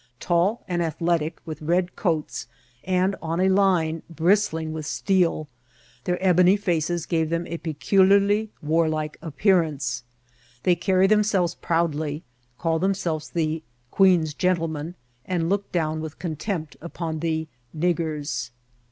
Tall and athletic, with red coats, ana, on a line, bristling with steel, their ebony faces gave them a peculiarly warlike appearance. They carry themselves proudly, call themselves the " Queen's Gentlemen," and look down with contempt upon the " niggers."